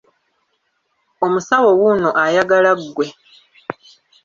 Omusawo wuuno ayagala ggw!